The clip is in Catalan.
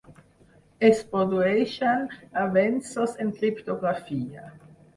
Es produeixen avenços en criptografia.